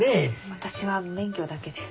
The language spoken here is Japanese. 私は免許だけで。